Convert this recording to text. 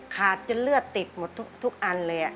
จนเลือดติดหมดทุกอันเลย